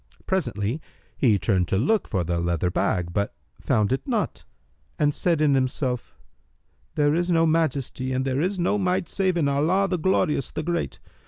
Presently, he turned to look for the leather bag, but found it not and said in himself, "There is no Majesty and there is no Might save in Allah, the Glorious, the Great!